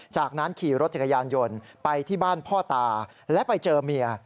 จากนั้นขี่รถจักรยานยนต์ไปที่บ้านพ่อตาและไปเจอเมีย